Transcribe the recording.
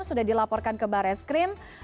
sudah dilaporkan ke barreskrim